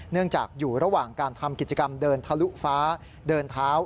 จากอยู่ระหว่างการทำกิจกรรมเดินทะลุฟ้าเดินเท้า